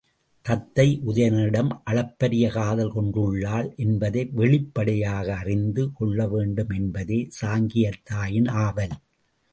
தத்தை உதயணனிடம் அளப்பரிய காதல் கொண்டுள்ளாள் என்பதை வெளிப்படையாக அறிந்து கொள்ளவேண்டு மென்பதே சாங்கியத் தாயின் ஆவல்.